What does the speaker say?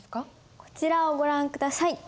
こちらをご覧下さい。